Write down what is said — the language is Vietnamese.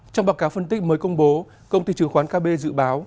trong báo cáo phân tích mới công bố công ty trường khoán kb dự báo